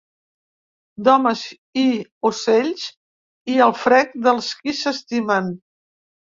D’homes i ocells, i el frec dels qui s’estimen.